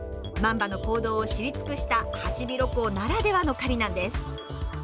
マンバの行動を知り尽くしたハシビロコウならではの狩りなんです。